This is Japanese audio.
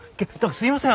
すいません。